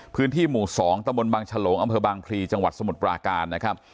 พื้นที่หมู่๒ตมบางชะโหลงอำเภอบางพรีจังหวัดสมุทรปราการ